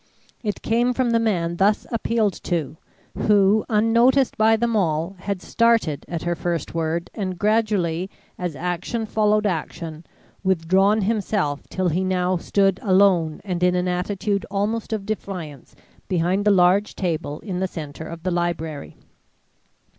It came from the man thus appealed to, who, unnoticed by them all, had started at her first word and gradually, as action followed action, withdrawn himself till he now stood alone and in an attitude almost of defiance behind the large table in the centre of the library.